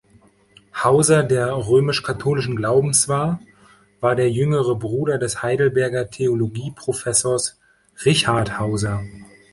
Hauser, der römisch-katholischen Glaubens war, war der jüngere Bruder des Heidelberger Theologieprofessors Richard Hauser.